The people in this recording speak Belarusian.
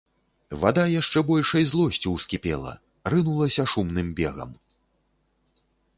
Вада яшчэ большай злосцю ўскіпела, рынулася шумным бегам.